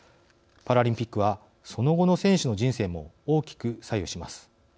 パラリンピックはその後の選手の人生も大きく左右します。